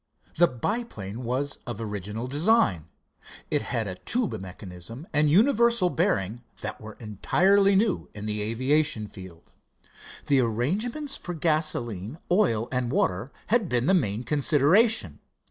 The biplane was of original design. It had a tube mechanism and universal bearing that were entirely new in the aviation field. The arrangements for gasoline, oil and water had been the main consideration.